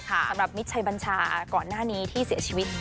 สำหรับมิตรชัยบัญชาก่อนหน้านี้ที่เสียชีวิต